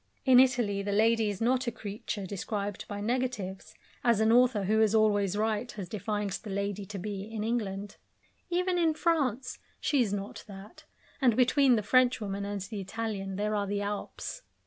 In Italy the lady is not a creature described by negatives, as an author who is always right has defined the lady to be in England. Even in France she is not that, and between the Frenchwoman and the Italian there are the Alps.